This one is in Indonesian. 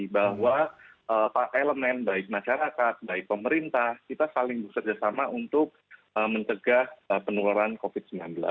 bahwa elemen baik masyarakat baik pemerintah kita saling bekerjasama untuk mencegah penularan covid sembilan belas